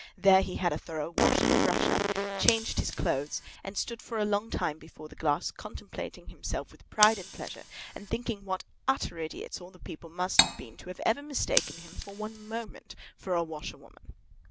There he had a thorough wash and brush up, changed his clothes, and stood for a long time before the glass, contemplating himself with pride and pleasure, and thinking what utter idiots all the people must have been to have ever mistaken him for one moment for a washerwoman.